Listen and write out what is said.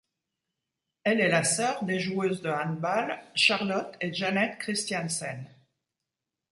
Elle est la sœur des joueuses de handball, Charlotte et Jeanett Kristiansen.